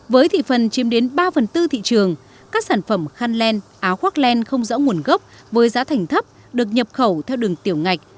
với thị phần chiếm đến ba phần tư thị trường các sản phẩm khăn len áo khoác len không rõ nguồn gốc với giá thành thấp được nhập khẩu theo đường tiểu ngạch